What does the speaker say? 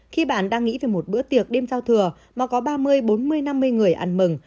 khi bạn đang nghĩ về một bữa tiệc đêm giao thừa mà có ba mươi bốn mươi năm mươi người ăn mừng